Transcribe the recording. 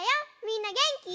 みんなげんき？